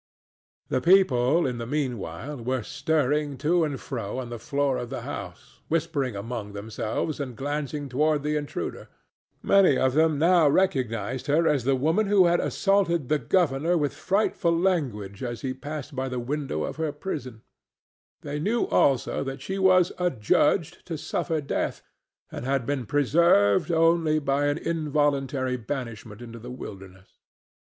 The people, in the mean while, were stirring to and fro on the floor of the house, whispering among themselves and glancing toward the intruder. Many of them now recognized her as the woman who had assaulted the governor with frightful language as he passed by the window of her prison; they knew, also, that she was adjudged to suffer death, and had been preserved only by an involuntary banishment into the wilderness.